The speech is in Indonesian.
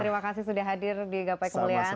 terima kasih sudah hadir di gapai kemuliaan